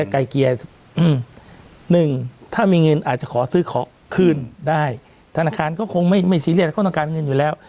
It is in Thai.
ไกลเกลียอืมหนึ่งถ้ามีเงินอาจจะขอซื้อของคืนได้ธนาคารก็คงไม่ซีเรียสก็ต้องการเงินอยู่แล้ว